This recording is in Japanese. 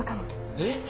えっ？